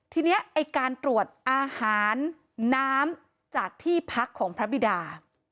ทีนี้ไอ้การตรวจอาหารน้ำจากที่พักของพระบิดา